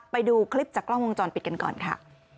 ไปดูคลิปจากกล้องวงจรปิดกันก่อนค่ะ